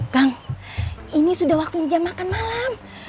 kang ini sudah waktunya jam makan malam